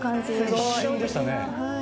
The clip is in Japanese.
一瞬でしたね。